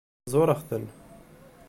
Zureɣ-ten.